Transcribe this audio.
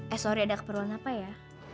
eh sorry ada keperluan apa ya